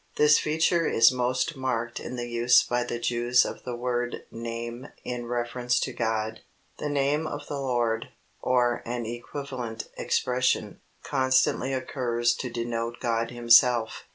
This feature is most marked in the use by the Jews of the word "Name" in reference to God. The "Name of the Lord," or an equivalent expression, constantly occurs to denote God Himself.